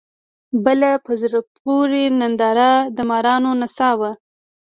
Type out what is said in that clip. بله په زړه پورې ننداره د مارانو نڅا وه.